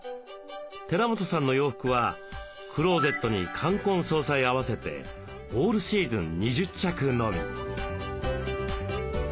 寺本さんの洋服はクローゼットに冠婚葬祭合わせてオールシーズン２０着のみ。